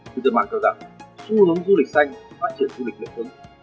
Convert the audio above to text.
chúng tôi bằng cầu rằng xu hướng du lịch xanh phát triển du lịch liệt hướng